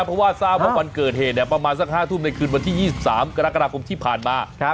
เพราะว่าทราบว่าวันเกิดเหตุประมาณสัก๕ทุ่มในคืนวันที่๒๓กรกฎาคมที่ผ่านมา